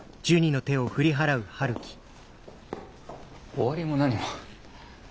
終わりも何も。